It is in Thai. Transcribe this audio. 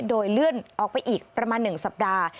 โดยเลื่อนออกไปอีกประมาณ๑สัปดาห์